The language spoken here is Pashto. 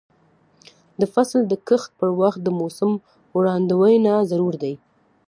د فصل د کښت پر وخت د موسم وړاندوینه ضروري ده.